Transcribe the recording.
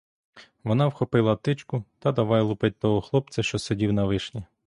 Вона вхопила тичку та давай лупить того хлопця, що сидів на вишні.